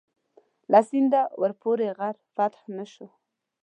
له سینده ورپورې غر فتح نه شو.